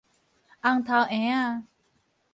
紅頭嬰仔